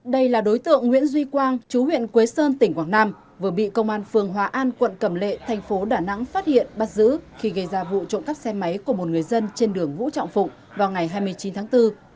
đây là đối tượng nguyễn duy quang chú huyện quế sơn tỉnh quảng nam vừa bị công an phường hòa an quận cầm lệ thành phố đà nẵng phát hiện bắt giữ khi gây ra vụ trộm cắp xe máy của một người dân trên đường vũ trọng phụng vào ngày hai mươi chín tháng bốn